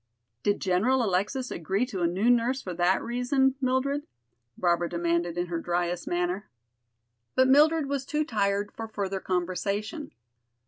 "Did General Alexis agree to a new nurse for that reason, Mildred?" Barbara demanded in her driest manner. But Mildred was too tired for further conversation.